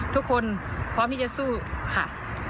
ทุกคนพร้อมที่จะสู้ค่ะ